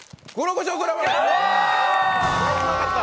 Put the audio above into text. これ、うまかった。